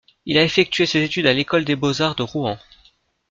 Il a effectué ses études à l'École des beaux-arts de Rouen.